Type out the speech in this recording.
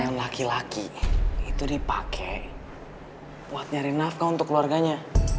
yang laki laki itu dipakai buat nyari nafkah untuk keluarganya